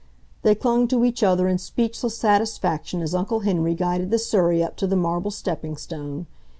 They clung to each other in speechless satisfaction as Uncle Henry guided the surrey up to the marble stepping stone.